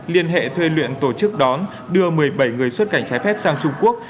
liên hệ thuê luyện tổ chức đón đưa một mươi bảy người xuất cảnh trái phép sang trung quốc